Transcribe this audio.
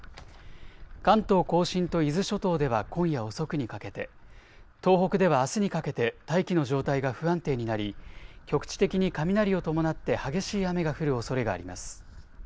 関東甲信と伊豆諸島では今夜遅くにかけて、東北ではあすにかけて大気の状態が不安定になり局地的に雷を伴って激しい雨が降るおそれがあります。